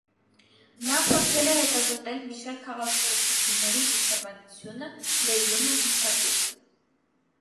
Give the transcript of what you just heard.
Նա փորձել է հետազոտել մի շարք քաղաքակրթությունների դիցաբանությունը, լեզուն և մշակույթը։